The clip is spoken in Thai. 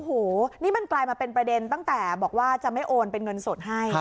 โอ้โหนี่มันกลายมาเป็นประเด็นตั้งแต่บอกว่าจะไม่โอนเป็นเงินสดให้